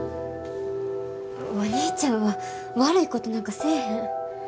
お兄ちゃんは悪いことなんかせえへん。